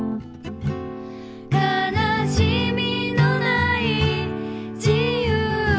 「悲しみのない自由な空へ」